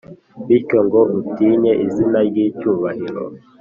bityo ngo utinye izina ry’icyubahiro